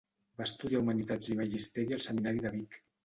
Va estudiar humanitats i magisteri al seminari de Vic.